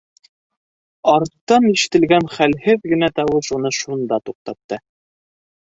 Арттан ишетелгән хәлһеҙ генә тауыш уны шунда туҡтатты.